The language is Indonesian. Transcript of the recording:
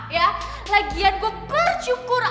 ya lagian gue bersyukur